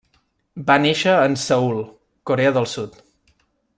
Va néixer en Seül, Corea del sud.